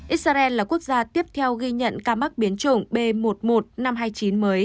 israel là quốc gia tiếp theo ghi nhận ca mắc biến chủng b một mươi một năm trăm hai mươi chín mới